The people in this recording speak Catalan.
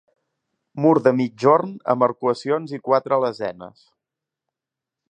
Mur de migjorn amb arcuacions i quatre lesenes.